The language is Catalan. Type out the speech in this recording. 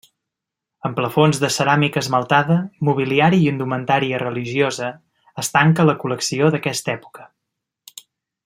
Amb plafons de ceràmica esmaltada, mobiliari i indumentària religiosa es tanca la col·lecció d'aquesta època.